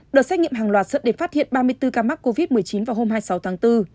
đợt xét nghiệm hàng loạt dẫn đến phát hiện ba mươi bốn ca mắc covid một mươi chín vào hôm hai mươi sáu tháng bốn